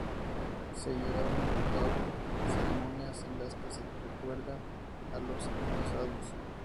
Se llevan a cabo ceremonias en las que se recuerda a los antepasados.